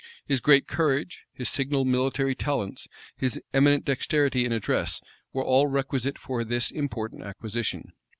His great courage, his signal military talents, his eminent dexterity and address, were all requisite for this important acquisition.